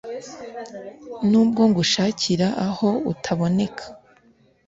Nubwo ngushakira aho utaboneka